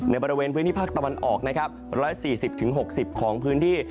บริเวณพื้นที่ภาคตะวันออกนะครับ๑๔๐๖๐ของพื้นที่